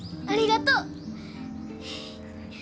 ありがとう！